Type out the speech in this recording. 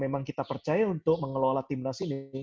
memang kita percaya untuk mengelola timnas ini